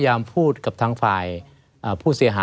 ไม่มีครับไม่มีครับ